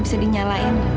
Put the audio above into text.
badanmu gak enak